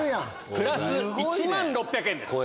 プラス１万６００円です。